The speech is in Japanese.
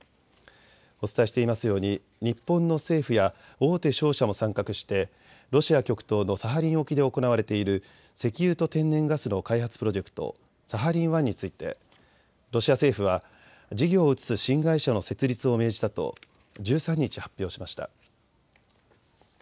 お伝えしていますように日本の政府や大手商社も参画してロシア極東のサハリン沖で行われている石油と天然ガスの開発プロジェクト、サハリン１についてロシア政府は事業を移す新会社の設立を命じたと１３日、発表しました。